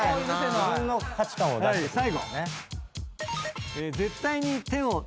自分の価値観を出してくるから。